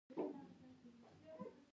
خو وروسته خپله یو نوی باور ګرځي.